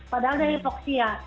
padahal dia hipoksia